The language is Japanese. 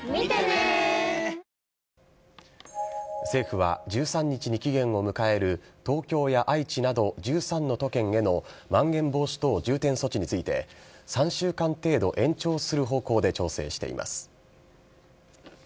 政府は１３日に期限を迎える東京や愛知など１３の都県へのまん延防止等重点措置について、３週間程度延長する方向で調整しています。